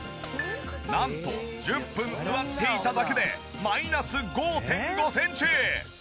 なんと１０分座っていただけでマイナス５．５センチ。